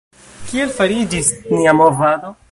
Kiel fariĝis nia movado?